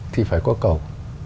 thì phải có cầu